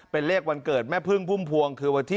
เป็นเลขวันเกิดแม่พึ่งภุ่มภวง